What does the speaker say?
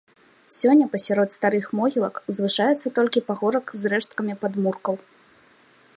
Сёння пасярод старых могілак узвышаецца толькі пагорак з рэшткамі падмуркаў.